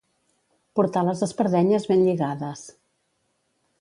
Portar les espardenyes ben lligades.